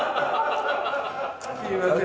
すいません。